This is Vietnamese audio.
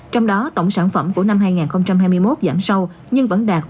trong đó tổng sản phẩm của năm hai nghìn hai mươi một giảm sâu